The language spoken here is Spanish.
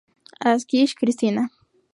Asquith, Christina.